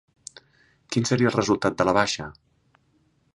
Quin seria el resultat de la baixa?